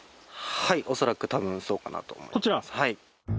はい恐らく多分そうかなと思います。